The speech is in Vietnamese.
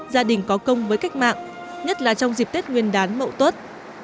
gia đình có công với cách mạng nhất là trong dịp tết nguyên đán mậu tuất